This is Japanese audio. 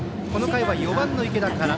この回は４番の池田から。